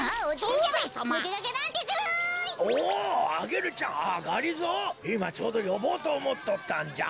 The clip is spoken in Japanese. いまちょうどよぼうとおもっとったんじゃ。